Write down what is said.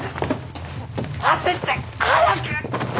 走って！早く！